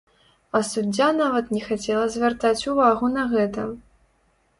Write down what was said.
А суддзя нават не хацела звяртаць увагу на гэта!